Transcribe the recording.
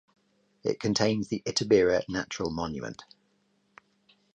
It contains the Itabira Natural Monument.